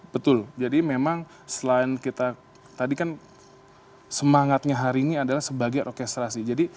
betul jadi memang selain kita tadi kan semangatnya hari ini adalah sebagai orkestrasi